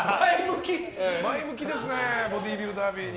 前向きですねボディービルダービーに。